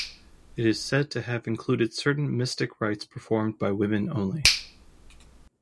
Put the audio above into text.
It is said to have included certain mystic rites performed by women only.